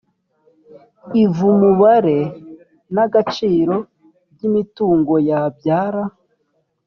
iv umubare n agaciro by imitungo yabyara